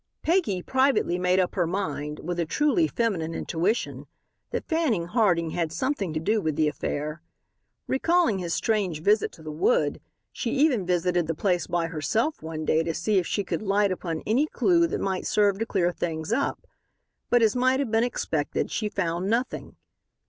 Peggy privately made up her mind, with a truly feminine intuition, that Fanning Harding had something to do with the affair. Recalling his strange visit to the wood, she even visited the place by herself one day to see if she could light upon any clew that might serve to clear things up. But, as might have been expected, she found nothing.